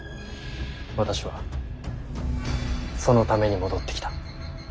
私はそのために戻ってきた。